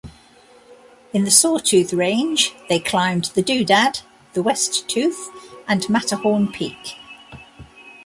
In the Sawtooth Range, they climbed The Doodad, the West Tooth, and Matterhorn Peak.